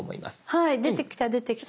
はい出てきた出てきた。